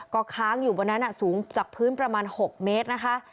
ก็ค้างอยู่บนนั้นสูงจากพื้นประมาณ๖เมตรนะคะ